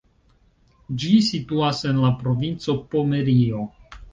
Ĝi situas en la provinco Pomerio.